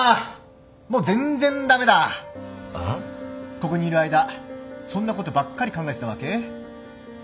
ここにいる間そんなことばっかり考えてたわけ？